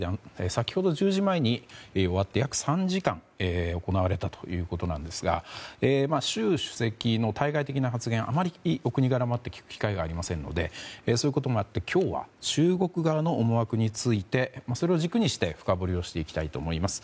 先ほど１０時前に終わって約３時間、行われたということなんですが習主席の対外的な発言はお国柄もあって聞く機会がありませんのでそういうこともあって今日は中国側の思惑についてそれを軸にして深掘りしていきたいと思います。